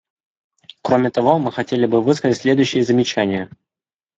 Кроме того, мы хотели бы высказать следующие замечания.